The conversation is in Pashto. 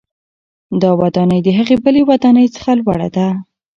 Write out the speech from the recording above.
دا ودانۍ د هغې بلې ودانۍ څخه لوړه ده.